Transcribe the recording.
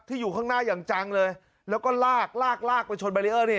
อยู่ข้างหน้าอย่างจังเลยแล้วก็ลากลากลากไปชนบารีเออร์นี่